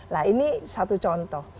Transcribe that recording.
nah ini satu contoh